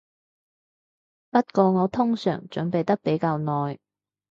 不過我通常準備得比較耐